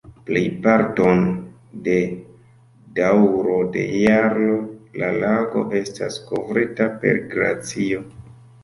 Plejparton de daŭro de jaro la lago estas kovrita per glacio.